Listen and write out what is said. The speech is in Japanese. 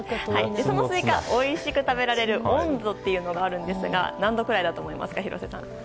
そのスイカ、おいしく食べられる温度があるんですが廣瀬さん、何度だと思いますか？